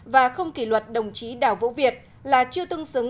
và không kỷ luật đồng chí đảo vũ việt là chưa tương xứng